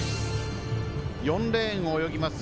４レーンを泳ぎます